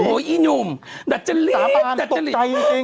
โอ้ยอีหนุ่มดัดจะลีบดัดจะลีบสาปานตกใจจริง